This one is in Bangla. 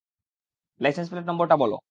লাইসেন্স প্লেট নম্বরটা বল!